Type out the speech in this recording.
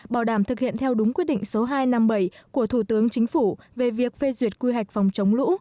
bảo đảm thực hiện theo đúng quyết định số hai trăm năm mươi bảy của thủ tướng chính phủ về việc phê duyệt quy hoạch phòng chống lũ